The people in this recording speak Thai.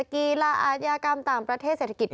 กีฬาอาชญากรรมต่างประเทศเศรษฐกิจ